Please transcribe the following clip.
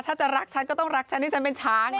ถ้าจะรักฉันก็ต้องรักฉันที่ฉันเป็นช้าง